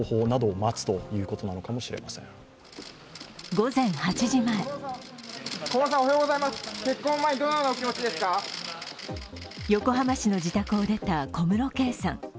午前８時前横浜市の自宅を出た小室圭さん。